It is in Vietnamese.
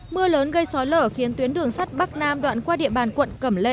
mưa lớn gây sói lở khiến tuyến đường sắt bắc nam đoạn qua địa bàn quận cẩm lệ